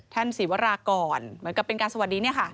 ศิวรากรเหมือนกับเป็นการสวัสดีเนี่ยค่ะ